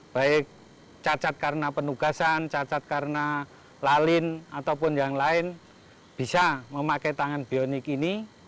baik cacat karena penugasan cacat karena lalin ataupun yang lain bisa memakai tangan bionik ini